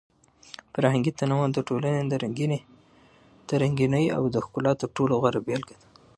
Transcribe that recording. فرهنګي تنوع د ټولنې د رنګینۍ او د ښکلا تر ټولو غوره بېلګه ده.